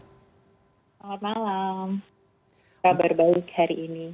selamat malam kabar baik hari ini